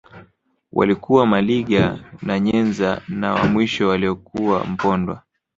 Walikuwa Maliga na Nyenza na wa mwisho alikuwa Mpondwa